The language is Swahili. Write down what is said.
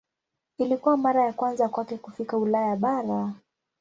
Ilikuwa mara ya kwanza kwake kufika Ulaya bara.